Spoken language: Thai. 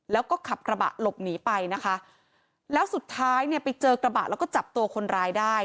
แล้วก็ขับกระบะหลบหนีไปนะคะแล้วสุดท้ายเนี่ยไปเจอกระบะแล้วก็จับตัวคนร้ายได้